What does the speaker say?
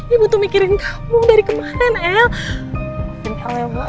ibu tuh mikirin kamu dari kemarin el